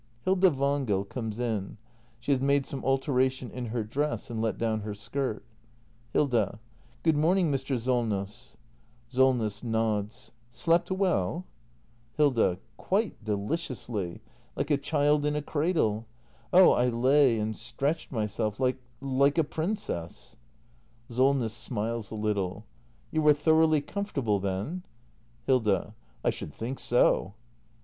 Hilda Wangel comes in. She has made some alter ation in her dress, and let down her skirt. Hilda. Good morning, Mr. Solness! Solness. [Nods.] Slept well ? act ii] THE MASTER BUILDER 331 Hilda. Quite deliciously! Like a child in a cradle. Oh — I lay and stretched myself like — like a princess! SOLNESS. [Smiles a little.] You were thoroughly comfortable then? Hilda. I should think so.